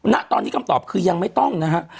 ณตอนนี้คำตอบคือยังไม่ต้องนะฮะ